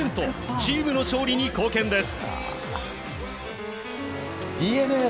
チームの勝利に貢献です。